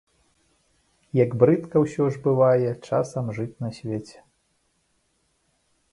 Як брыдка, усё ж, бывае часам жыць на свеце.